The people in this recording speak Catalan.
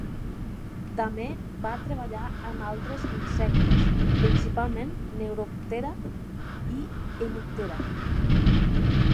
També va treballar amb altres insectes, principalment Neuroptera i Hemiptera.